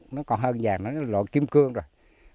nó còn hơn vàng là kiếm cương rồi